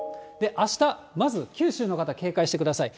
あした、まず九州の方、警戒してください。